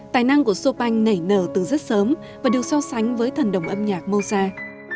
tài năng của chopin nảy nở từ rất sớm và được so sánh với thần đồng âm nhạc mosa